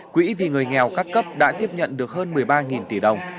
quỹ vì người nghèo các cấp đã tiếp nhận được hơn một mươi ba tỷ đồng